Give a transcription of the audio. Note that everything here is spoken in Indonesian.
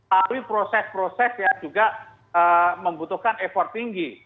hal ini proses proses yang juga membutuhkan effort tinggi